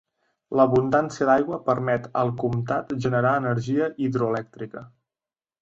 L'abundància d'aigua permet al comtat generar energia hidroelèctrica.